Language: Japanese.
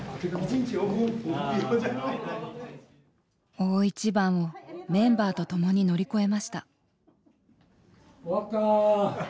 大一番をメンバーとともに乗り越えました。